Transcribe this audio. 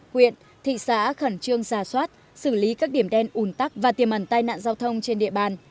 huyện thị xã khẩn trương ra soát xử lý các điểm đen ủn tắc và tiềm ẩn tai nạn giao thông trên địa bàn